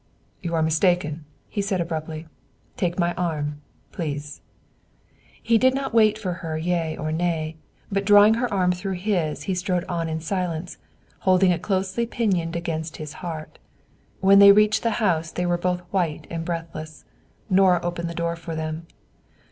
"You are mistaken," he said abruptly. "Take my arm, please." He did not wait for her yea or nay; but drawing her arm through his, he strode on in silence, holding it closely pinioned against his heart. When they reached the house, they were both white and breathless. Nora opened the door for them.